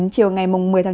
chiều ngày một mươi chín